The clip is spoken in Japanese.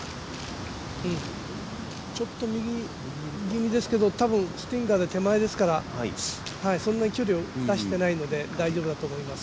ちょっと右気味ですけどスティンガーで右ですからそんなに距離を出していないので、大丈夫だと思います。